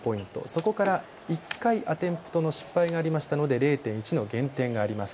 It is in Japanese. そこから１回のアテンプトの失敗がありましたので０．１の減点があります。